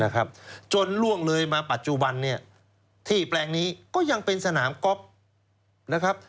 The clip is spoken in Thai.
จนล่วงเลยมาปัจจุบันเนี่ยที่แปลงนี้ก็ยังเป็นสนามก๊อฟนะครับ